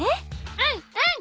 うんうん。